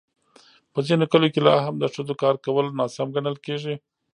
په ځینو کلیو کې لا هم د ښځو کار کول ناسم ګڼل کېږي.